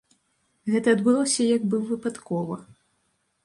Гэта адбылося як бы выпадкова.